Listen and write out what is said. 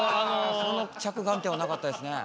その着眼点はなかったですね。